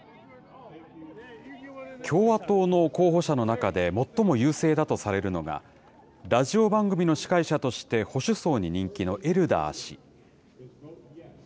共和党の候補者の中で最も優勢だとされるのが、ラジオ番組の司会者として保守層に人気のエルダー氏。